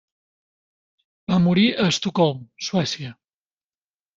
Va morir a Estocolm, Suècia.